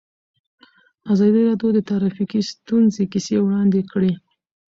ازادي راډیو د ټرافیکي ستونزې کیسې وړاندې کړي.